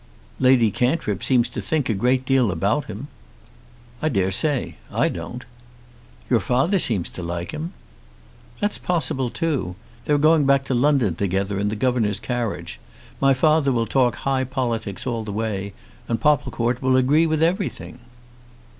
"Lady Cantrip seems to think a great deal about him." "I dare say. I don't." "Your father seems to like him." "That's possible too. They're going back to London together in the governor's carriage. My father will talk high politics all the way, and Popplecourt will agree with everything."